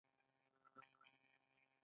لایحه وظایف د کار مسوولیت ښيي